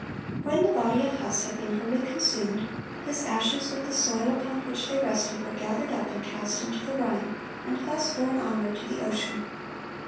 (144) When the body of Huss had been wholly consumed, his ashes, with the soil upon which they rested, were gathered up and cast into the Rhine, and thus borne onward to the ocean.